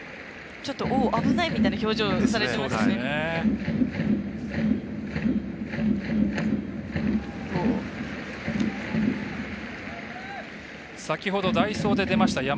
おお、危ないみたいな表情されていましたね。